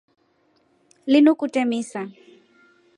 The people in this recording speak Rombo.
Linu kutee misa.